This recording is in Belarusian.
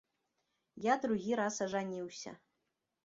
Я другi раз ажанiўся.